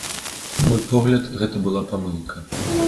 На мой погляд, гэта была памылка.